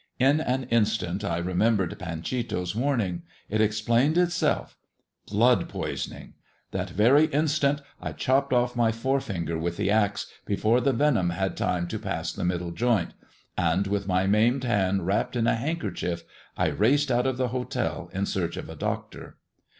In an instant I remembered Panchito' s warn ing. It explained itself. Blood poisoning ! That very instant I chopped off my forefinger with the axe, before the venom had time to pass the middle joint, and, with my maimed hand wrapped in a handkerchief, I raced out of the hotel in search of a doctor.